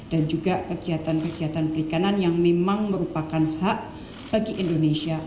dan juga kegiatan kegiatan perikanan yang memang merupakan hak bagi indonesia